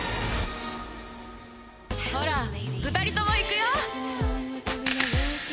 ほら２人とも行くよ！